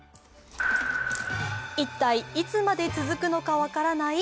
一体いつまで続くのか分からない